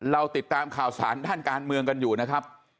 เราติดตามข่าวสารด้านการเมืองกันอยู่นะครับ